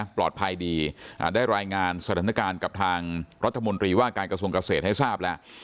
ปลอดภัยดีได้รายงานสถานการณ์กับทางรัฐมนตรีว่าการกระทรวงเกษตรให้ทราบแล้ว